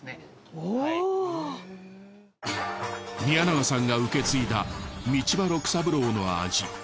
宮永さんが受け継いだ道場六三郎の味。